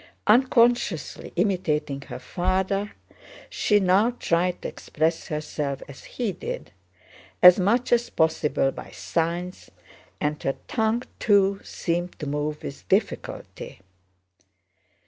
Unconsciously imitating her father, she now tried to express herself as he did, as much as possible by signs, and her tongue too seemed to move with difficulty.